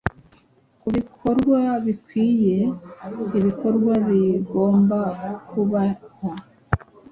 Kubikorwa-bikwiye ibikorwa bigomba kubahwa